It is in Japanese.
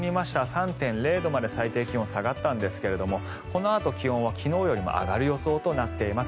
３．０度まで最低気温下がったんですがこのあと、気温は昨日よりも上がる予想となっています。